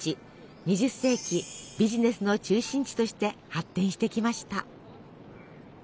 ２０世紀ビジネスの中心地として発展してきました。